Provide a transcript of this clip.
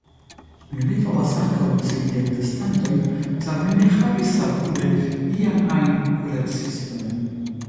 Mi ne povas ankaŭ citi atestantojn, ĉar mi ne havis apude ian ajn kuraciston.